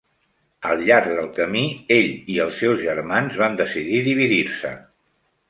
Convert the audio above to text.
Al llarg del camí, ell i els seus germans van decidir dividir-se.